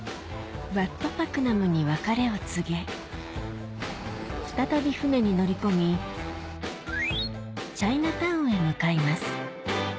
ワット・パクナムに別れを告げ再び船に乗り込みチャイナタウンへ向かいます